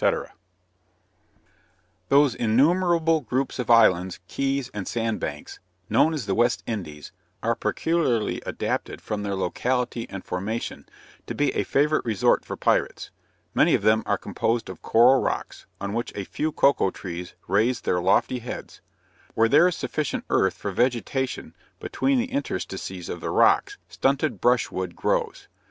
_ Those innumerable groups of islands, keys and sandbanks, known as the West Indies, are peculiarly adapted from their locality and formation, to be a favorite resort for pirates; many of them are composed of coral rocks, on which a few cocoa trees raise their lofty heads; where there is sufficient earth for vegetation between the interstices of the rocks, stunted brushwood grows.